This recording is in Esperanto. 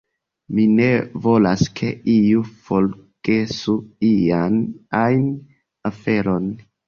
Mi ne volas ke iu forgesu ian ajn aferon.